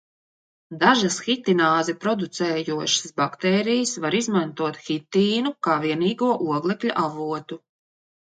Dažas hitināzi producējošas baktērijas var izmantot hitīnu kā vienīgo oglekļa avotu.